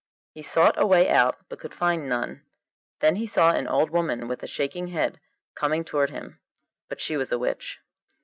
He sought a way out, but could find none. Then he saw an old woman with a shaking head coming towards him; but she was a witch.